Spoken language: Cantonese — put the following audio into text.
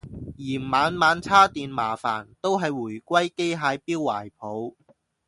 嫌晚晚叉電麻煩都係回歸機械錶懷抱